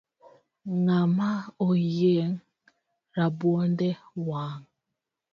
Ngama oyieng rabuonde wang